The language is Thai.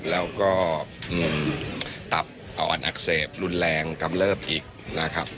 แล้วก็งมตับอ่อนอักเสบรุนแรงกำเริบอีกนะครับ